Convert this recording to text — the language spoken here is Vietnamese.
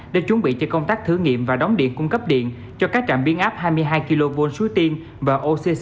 để chuẩn bị cho công tác thử nghiệm và đóng điện cung cấp điện cho các trạm biến áp hai mươi hai kv suối tiên và occ